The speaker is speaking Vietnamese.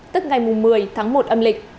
tức ngày một mươi tháng một âm lịch